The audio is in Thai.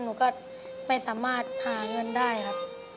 หนูก็ไม่สามารถหาเงินได้ครับ